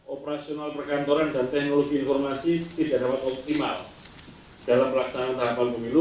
operasional perkantoran dan teknologi informasi tidak dapat optimal dalam pelaksanaan tahapan pemilu